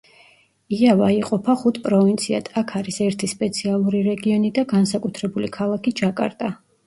იავა იყოფა ხუთ პროვინციად, აქ არის ერთი სპეციალური რეგიონი და განსაკუთრებული ქალაქი ჯაკარტა.